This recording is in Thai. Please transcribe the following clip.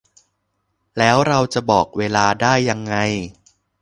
แล้วเราจะบอกเวลาได้ยังไง